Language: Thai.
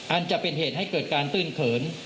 อาจจะเป็นเหตุให้เกิดการตื้นเขิน